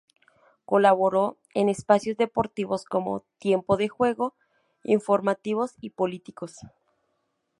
Colaboró en espacios deportivos como "Tiempo de Juego", informativos y políticos.